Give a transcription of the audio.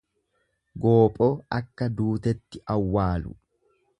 Goophoo akka duutetti awwaalu.